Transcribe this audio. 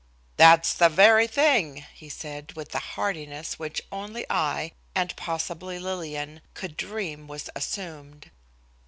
"That's the very thing," he said, with a heartiness which only I, and possibly Lillian, could dream was assumed.